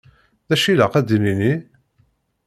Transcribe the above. Dacu i ilaq ad d-nini?